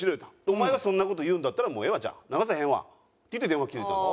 「お前がそんな事言うんだったらもうええわじゃあ流さへんわ」って言って電話切れたの。